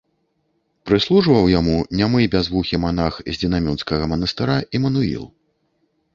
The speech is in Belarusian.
Прыслужваў яму нямы бязвухі манах з Дзінамюндскага манастыра Імануіл.